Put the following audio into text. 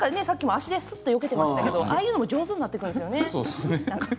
足で、すっとよけていましたけどああいうのも上手になるんですよね。